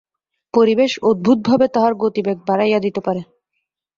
পরিবেশ অদ্ভুতভাবে তাহার গতিবেগ বাড়াইয়া দিতে পারে।